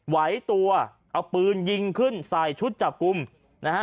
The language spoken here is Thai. ไหวตัวเอาปืนยิงขึ้นใส่ชุดจับกลุ่มนะฮะ